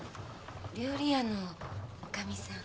料理屋の女将さん。